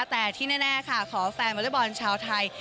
แต่ที่แน่ค่ะขอแฟนวอเล็กบอลชาวไทย